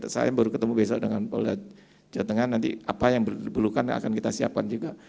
saya baru ketemu besok dengan polda jawa tengah nanti apa yang diperlukan akan kita siapkan juga